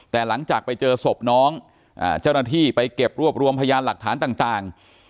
แต่หลังจากไปเจอศพน้องเจ้าหน้าที่ไปเก็บรวบรวมพยานหลักฐานต่าง